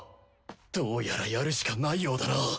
どうやらやるしかないようだな。